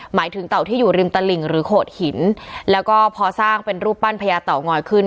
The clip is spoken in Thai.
หมายถึงเต่าที่อยู่ริมตลิ่งหรือโขดหินแล้วก็พอสร้างเป็นรูปปั้นพญาเต่างอยขึ้น